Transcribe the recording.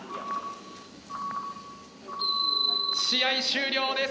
試合終了です。